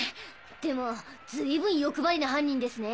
でもずいぶん欲張りな犯人ですね。